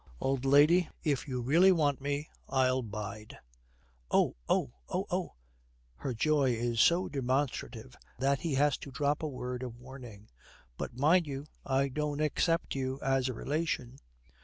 'Old lady, if you really want me, I'll bide.' 'Oh! oh! oh! oh!' Her joy is so demonstrative that he has to drop a word of warning. 'But, mind you, I don't accept you as a relation.